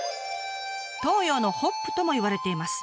「東洋のホップ」ともいわれています。